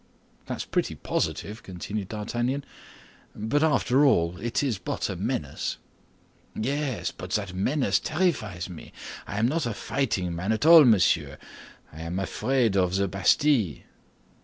"That's pretty positive," continued D'Artagnan; "but after all, it is but a menace." "Yes; but that menace terrifies me. I am not a fighting man at all, monsieur, and I am afraid of the Bastille."